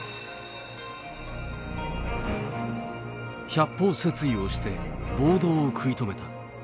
「百方説諭をして暴動を食い止めた。